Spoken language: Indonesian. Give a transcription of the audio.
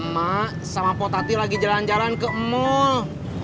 mak sama potati lagi jalan jalan ke mal